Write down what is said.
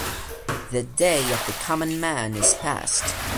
The day of the common man is past.